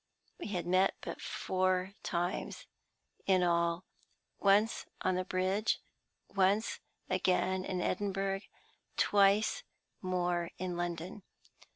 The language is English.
We had met but four times in all; once on the bridge, once again in Edinburgh, twice more in London.